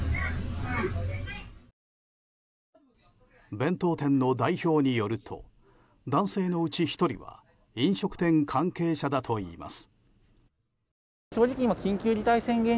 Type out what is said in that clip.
弁当店の代表によると男性のうち１人は飲食店関係者だといいます。